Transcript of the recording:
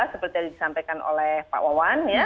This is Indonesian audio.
seperti yang disampaikan oleh pak wawan